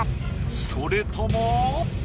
それとも？